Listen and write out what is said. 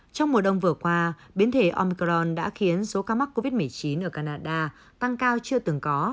trong mùa đông vừa qua biến thể omcron đã khiến số ca mắc covid một mươi chín ở canada tăng cao chưa từng có